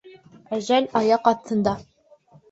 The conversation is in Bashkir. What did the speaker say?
Әжәл аяҡ аҫтында.